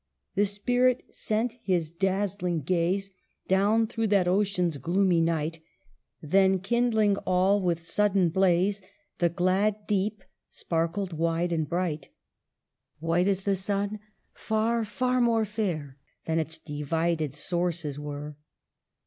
The spirit sent his dazzling gaze Down through that ocean's gloomy night ; Then, kindling all, with sudden blaze, The glad deep sparkled wide and bright — White as the sun, far, far more fair, Than its divided sources were